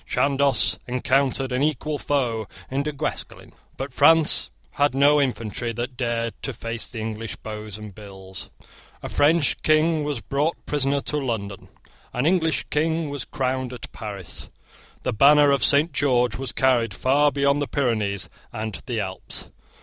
Chandos encountered an equal foe in Du Guesclin. But France had no infantry that dared to face the English bows and bills. A French King was brought prisoner to London. An English King was crowned at Paris. The banner of St. George was carried far beyond the Pyrenees and the Alps.